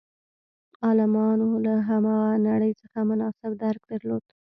عالمانو له هماغه نړۍ څخه مناسب درک درلود.